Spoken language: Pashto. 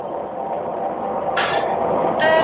وریځو خو ژړله نن اسمان راسره وژړل